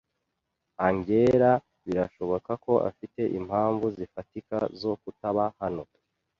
Angella birashoboka ko afite impamvu zifatika zo kutaba hano.